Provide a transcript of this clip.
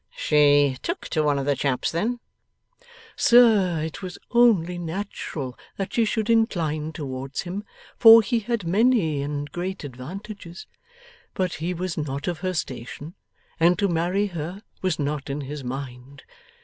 'She took to one of the chaps then?' 'Sir, it was only natural that she should incline towards him, for he had many and great advantages. But he was not of her station, and to marry her was not in his mind.